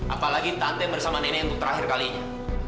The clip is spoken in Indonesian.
apalagi tante bersama nenek untuk terakhir kalinya